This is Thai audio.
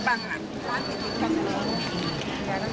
ร้านพิธีกรรม